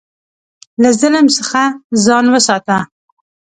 له ظلم څخه ځان وساته.